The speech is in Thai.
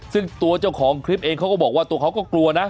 ซึ่งตัวเจ้าของคลิปเองเขาก็บอกว่าตัวเขาก็กลัวนะ